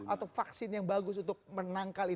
atau vaksin yang bagus untuk menangkal ini